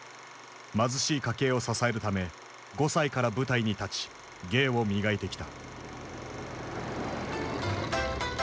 貧しい家計を支えるため５歳から舞台に立ち芸を磨いてきた。